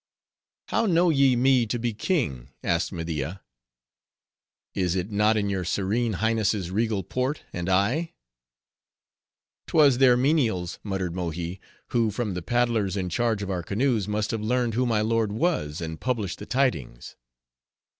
"How know ye me to be king?" asked Media. "Is it not in your serene Highness's regal port, and eye?" "'Twas their menials," muttered Mohi, "who from the paddlers in charge of our canoes must have learned who my lord was, and published the tidings."